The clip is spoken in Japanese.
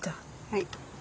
はい。